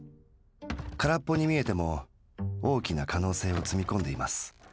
からっぽに見えても大きな可能性を積み込んでいます。